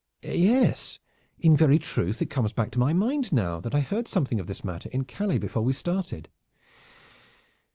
"Yes, in very truth it comes back to my mind now that I heard something of this matter in Calais before we started."